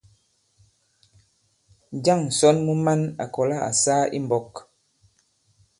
Njâŋ ǹsɔn mu man à kɔ̀la à saa i mbɔk?